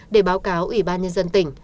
để báo cáo ủy ban nhân dân tỉnh